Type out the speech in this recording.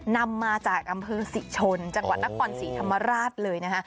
นำมาจากอำเภอศรีชนจังหวัดนครศรีธรรมราชเลยนะคะ